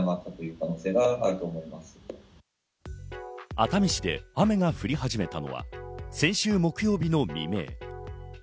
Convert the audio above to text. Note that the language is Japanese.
熱海市で雨が降り始めたのは、先週木曜日の未明。